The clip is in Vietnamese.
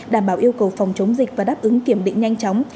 đảm bảo yêu cầu phòng chống dịch và đáp ứng kiểm định nhanh chóng